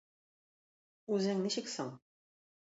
Үзең ничек соң?